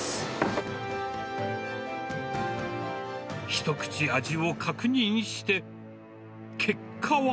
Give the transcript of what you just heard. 一口、味を確認して、結果は。